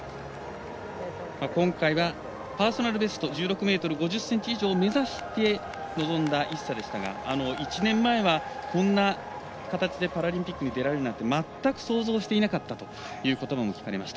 今回はパーソナルベスト１６ｍ５０ｃｍ以上を目指して臨んだイッサでしたが１年前はこんな形でパラリンピックに出られるなんて全く想像していなかったということばも聞かれました。